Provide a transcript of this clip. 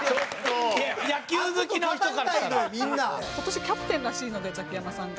今年キャプテンらしいのでザキヤマさんが。